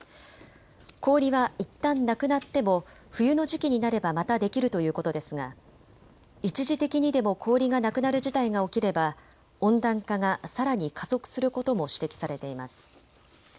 氷はいったんなくなっても冬の時期になればまたできるということですが一時的にでも氷がなくなる事態が起きれば温暖化がさらに加速することも指摘されています。